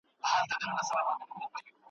مُلا پاچا دی طالب ښاغلی ,